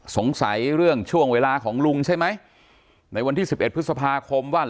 สงสัยเรื่องช่วงเวลาของลุงใช่ไหมในวันที่๑๑พฤษภาคมว่า